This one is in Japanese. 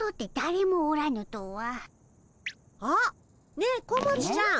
ねえ小町ちゃん。